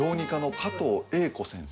加藤英子先生。